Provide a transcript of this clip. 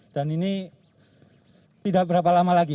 dan ini tidak berapa lama lagi